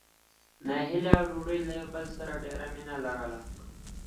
نايلې او ډوېوې يو له بل سره ډېره مينه لرله.